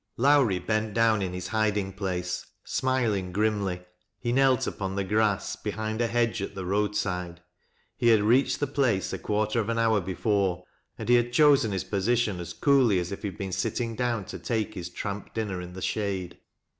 Lowrie bent down in his hiding place, smiling grimly He knelt upon the grass behind a hedge at the road side. He had reached the place a quarter of an hour before, and he had chosen his position as coolly as if he had been sit ting down to take his tramp dinner in the shade.